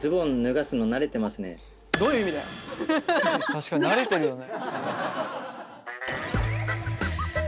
確かに慣れてるよね。